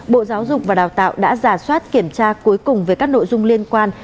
bộ giáo dục và đào tạo đã giả soát kiểm tra cuối cùng về các nội dung liên quan